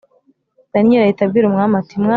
Daniyeli ahita abwira umwami ati mwami